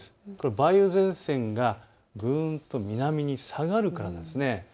梅雨前線がぐんと南に下がるからなんです。